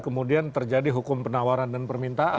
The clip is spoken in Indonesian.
kemudian terjadi hukum penawaran dan permintaan